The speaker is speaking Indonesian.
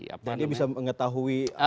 jadi bisa mengetahui